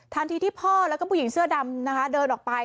ที่พ่อแล้วก็ผู้หญิงเสื้อดำนะคะเดินออกไป